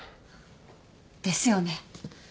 ですよね。